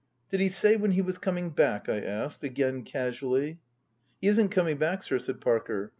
" Did he say when he was coming back ?" I asked, again casually. " He isn't coming back, sir," said Parker.